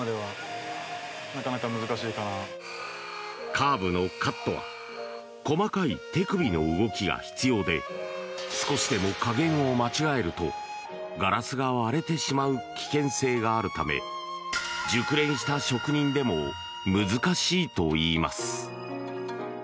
カーブのカットは細かい手首の動きが必要で少しでも加減を間違えるとガラスが割れてしまう危険性があるため熟練した職人でも難しいといいます。